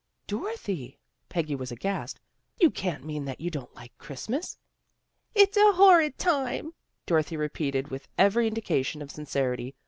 " Dorothy! " Peggy was aghast. " You can't mean that you don't like Christmas." " It's a horrid tune," Dorothy repeated, with every indication of sincerity.